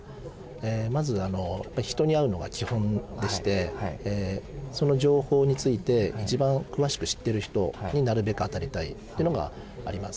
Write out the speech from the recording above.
まず人に会うのが基本でしてその情報について一番詳しく知ってる人になるべく当たりたいってのがあります。